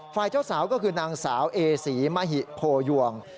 ฝ่ายเจ้าสาวก็คือนางสาวเอสีมหิโพยวง